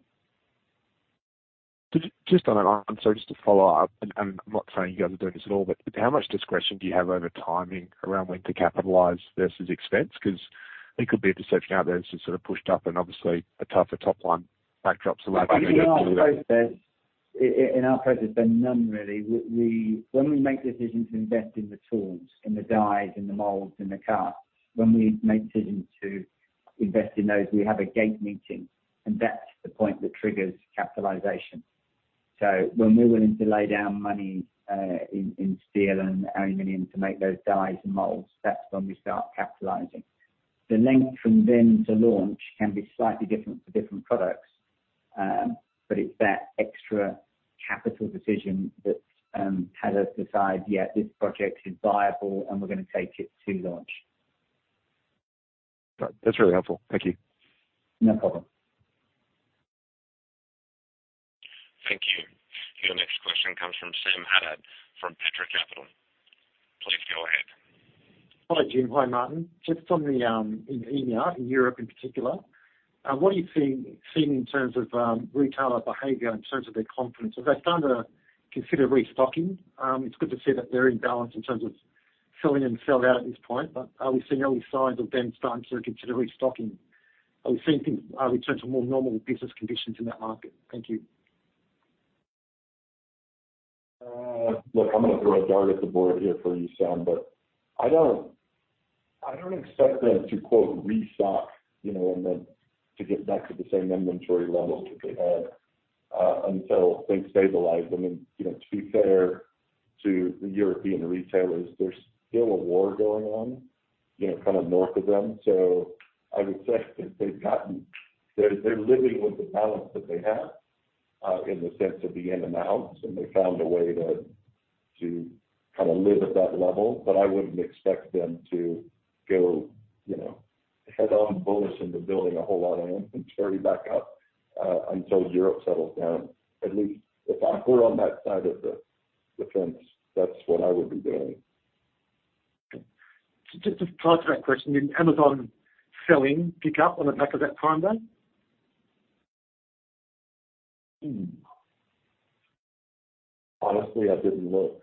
[SPEAKER 8] Just on an... I'm sorry, just to follow up, and I'm not saying you guys are doing this at all, but how much discretion do you have over timing around when to capitalize versus expense? Because it could be a perception out there that it's sort of pushed up and obviously a tougher top line backdrop?
[SPEAKER 2] In our process, Ben, none really. We, we when we make decisions to invest in the tools, in the dyes, in the molds, in the cart, when we make decisions to invest in those, we have a gate meeting, and that's the point that triggers capitalization. When we're willing to lay down money, in, in steel and aluminum to make those dyes and molds, that's when we start capitalizing. The length from then to launch can be slightly different for different products, but it's that extra capital decision that had us decide, "Yeah, this project is viable, and we're gonna take it to launch.
[SPEAKER 8] Got it. That's really helpful. Thank you.
[SPEAKER 2] No problem.
[SPEAKER 1] Thank you. Your next question comes from Sam Haddad from Petra Capital. Please go ahead.
[SPEAKER 9] Hello, Jim. Hi, Martin. Just on the in EMEA, in Europe in particular, what are you seeing, seeing in terms of retailer behavior in terms of their confidence? Have they started to consider restocking? It's good to see that they're in balance in terms of selling and sell out at this point, but are we seeing early signs of them starting to consider restocking? Are we seeing things in terms of more normal business conditions in that market? Thank you.
[SPEAKER 3] Look, I'm gonna throw a dart at the board here for you, Sam, but I don't, I don't expect them to, quote, "restock," you know, and then to get back to the same inventory levels that they had until things stabilize. You know, to be fair to the European retailers, there's still a war going on, you know, kind of north of them. I would say that they're, they're living with the balance that they have in the sense of the in and outs, and they found a way to, to kind of live at that level. I wouldn't expect them to go, you know, head-on bullish into building a whole lot of inventory back up until Europe settles down. At least if I were on that side of the, the fence, that's what I would be doing. Just, just to answer that question, did Amazon selling pick up on the back of that Prime Day? Honestly, I didn't look.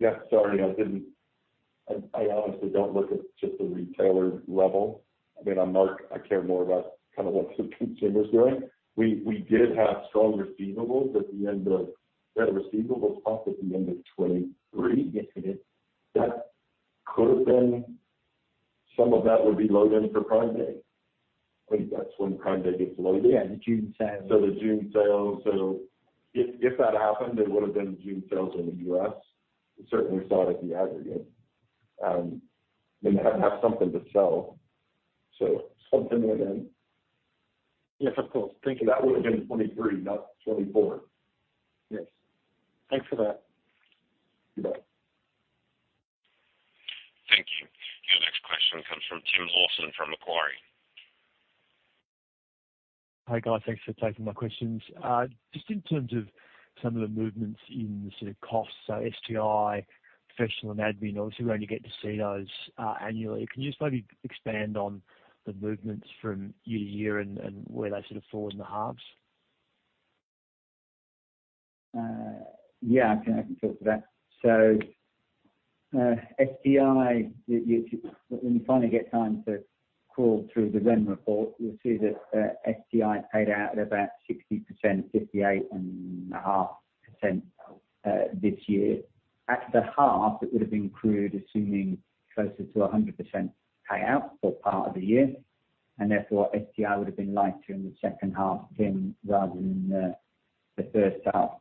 [SPEAKER 3] Yeah, sorry, I, I honestly don't look at just the retailer level. I mean, I'm Mark, I care more about kind of what the consumer's doing. We, we did have strong receivables at the end of... That receivables up at the end of 2023. That could have been, some of that would be loaded for Prime Day. I think that's when Prime Day gets loaded. Yeah, the June sale. The June sale. If, if that happened, it would have been the June sales in the U.S. We certainly saw it at the aggregate, they have to have something to sell. Something went in. Yes, of course. Thank you. That would have been 2023, not 2024. Yes. Thanks for that. You bet.
[SPEAKER 1] Thank you. Your next question comes from Tim Lawson, from Macquarie.
[SPEAKER 10] Hi, guys. Thanks for taking my questions. Just in terms of some of the movements in the sort of costs, STI, professional and admin, obviously, we only get to see those annually. Can you just maybe expand on the movements from year to year and where they sort of fall in the halves?
[SPEAKER 2] Yeah, I can, I can talk to that. STI, you when you finally get time to crawl through the Remuneration Report, you'll see that STI paid out at about 60%, 58.5%, this year. At the half, it would have been accrued, assuming closer to 100% payout for part of the year, and therefore, STI would have been lighter in the second half than rather than the first half.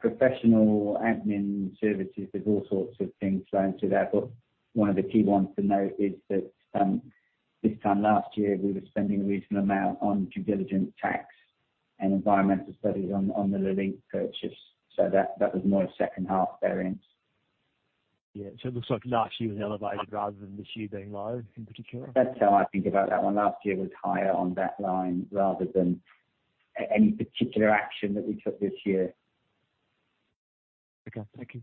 [SPEAKER 2] Professional admin services, there's all sorts of things thrown into that, but one of the key ones to note is that this time last year, we were spending a reasonable amount on due diligence tax and environmental studies on the Lelit purchase. That was more a second half variance.
[SPEAKER 10] Yeah. It looks like last year was elevated rather than this year being low, in particular?
[SPEAKER 2] That's how I think about that one. Last year was higher on that line rather than any particular action that we took this year.
[SPEAKER 10] Okay, thank you.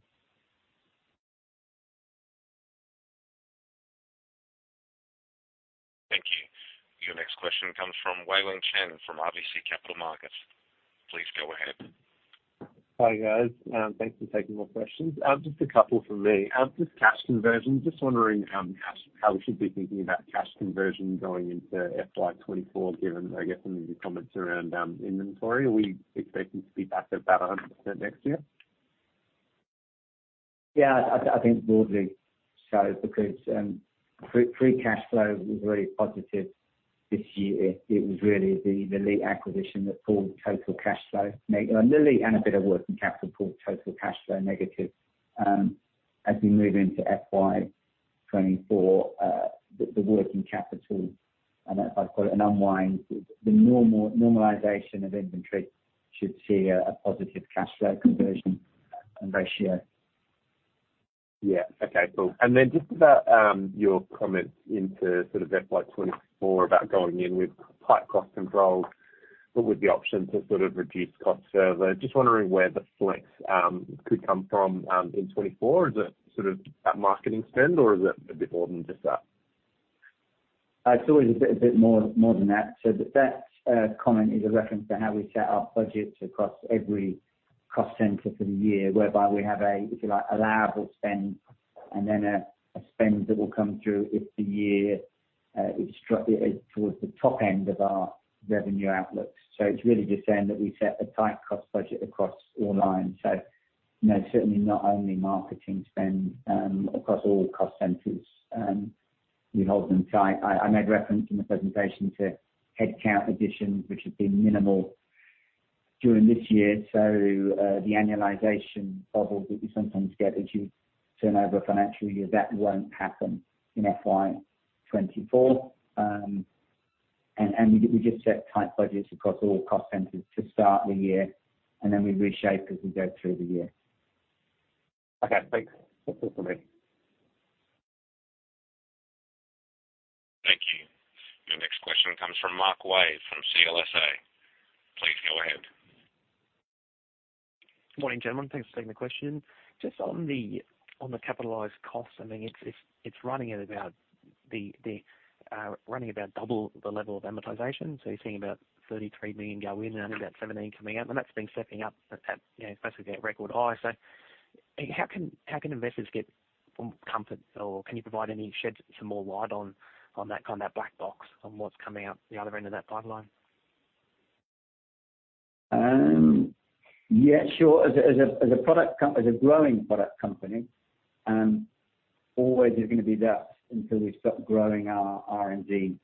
[SPEAKER 1] Thank you. Your next question comes from Wei-Weng Chen, from RBC Capital Markets. Please go ahead.
[SPEAKER 11] Hi, guys. Thanks for taking my questions. Just a couple from me. As this cash conversion, just wondering, how, how we should be thinking about cash conversion going into FY 2024, given, I guess, some of your comments around, inventory. Are we expecting to be back at about 100% next year?
[SPEAKER 2] Yeah, I, I think broadly so, because free, free cash flow was very positive this year. It was really the, the lead acquisition that pulled total cash flow neg... And a bit of working capital, pulled total cash flow negative. As we move into FY 2024, the, the working capital, and if I've got an unwind, the normalization of inventory should see a, a positive cash flow conversion and ratio.
[SPEAKER 11] Yeah. Okay, cool. Just about, your comments into sort of FY 2024, about going in with tight cost controls, but with the option to sort of reduce costs further. Just wondering where the flex could come from, in 2024. Is it sort of that marketing spend, or is it a bit more than just that?
[SPEAKER 2] It's always a bit, bit more, more than that. That comment is a reference to how we set our budgets across every cost center for the year, whereby we have a, if you like, allowable spend and then a spend that will come through if the year is towards the top end of our revenue outlook. It's really just saying that we set a tight cost budget across all lines. No, certainly not only marketing spend, across all cost centers, we hold them tight. I, I made reference in the presentation to headcount additions, which have been minimal during this year. The annualization bubble that you sometimes get as you turn over a financial year, that won't happen in FY 2024. We, we just set tight budgets across all cost centers to start the year, and then we reshape as we go through the year.
[SPEAKER 11] Okay, thanks. That's it for me.
[SPEAKER 1] Thank you. Your next question comes from Mark Wei, from CLSA. Please go ahead.
[SPEAKER 12] Morning, gentlemen. Thanks for taking the question. Just on the, on the capitalized costs, I mean, it's, it's, it's running at about the, the, running about double the level of amortization. You're seeing about 33 million go in and about 17 million coming out, and that's been stepping up at, at, you know, basically at record high. How can, how can investors get comfort, or can you provide any? Shed some more light on, on that, kind of that black box, on what's coming out the other end of that pipeline?
[SPEAKER 2] Yeah, sure. As a growing product company, always there's gonna be that until we stop growing our R&D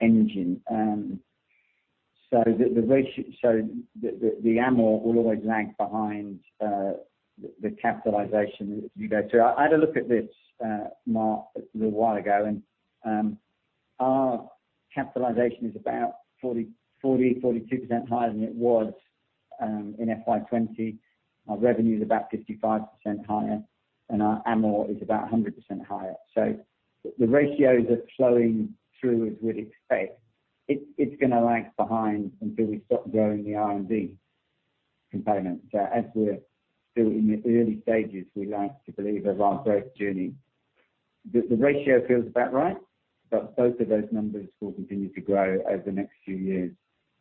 [SPEAKER 2] engine. So the ratio, so the amort will always lag behind the capitalization as you go through. I had a look at this, Mark, a little while ago, and our capitalization is about 40, 40, 42% higher than it was in FY 20. Our revenue is about 55% higher, and our amort is about 100% higher. So the ratios are flowing through as we'd expect. It's gonna lag behind until we stop growing the R&D component. So as we're still in the early stages, we like to believe of our growth journey. The, the ratio feels about right, but both of those numbers will continue to grow over the next few years.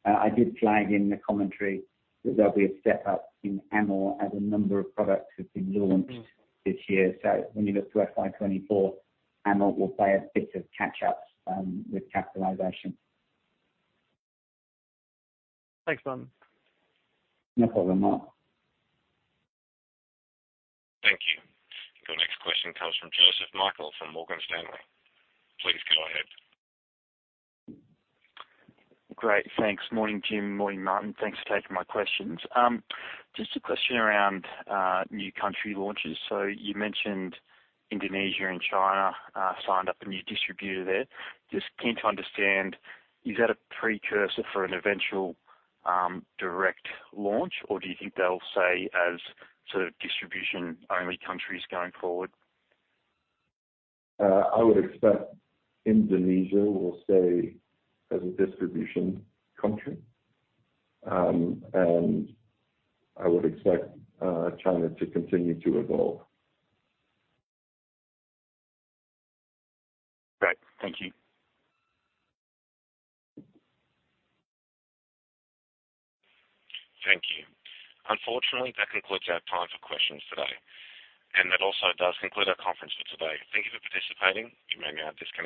[SPEAKER 2] I did flag in the commentary that there'll be a step up in amort as a number of products have been launched this year. When you look to FY 2024, amort will play a bit of catch up with capitalization.
[SPEAKER 13] Thanks, Martin.
[SPEAKER 2] No problem, Mark.
[SPEAKER 1] Thank you. The next question comes from Joseph Michael, from Morgan Stanley. Please go ahead.
[SPEAKER 14] Great, thanks. Morning, Jim. Morning, Martin. Thanks for taking my questions. Just a question around new country launches. You mentioned Indonesia and China, signed up a new distributor there. Just keen to understand, is that a precursor for an eventual direct launch, or do you think they'll stay as sort of distribution-only countries going forward?
[SPEAKER 3] I would expect Indonesia will stay as a distribution country. I would expect China to continue to evolve.
[SPEAKER 14] Great. Thank you.
[SPEAKER 1] Thank you. Unfortunately, that concludes our time for questions today. That also does conclude our conference for today. Thank you for participating. You may now disconnect.